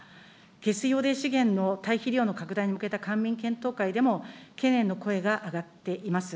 下水汚泥資源の堆肥利用の拡大に向けた官民検討会でも、懸念の声が上がっています。